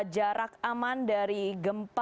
jarak aman dari gempa